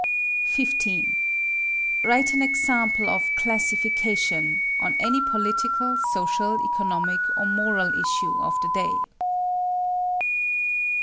15. Write an example of "classification," on any political, social, economic, or moral issue of the day.